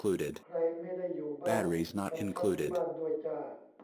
ใครไม่ได้อยู่บ้าน กำชับที่บ้านด้วยจ้า